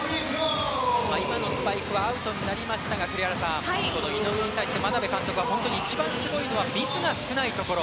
今のスパイクはアウトになりましたが栗原さん、井上に対して眞鍋監督は本当に一番すごいのはミスが少ないところ。